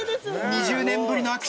２０年ぶりの握手！